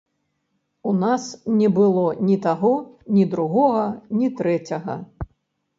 У нас не было ні таго, ні другога, ні трэцяга.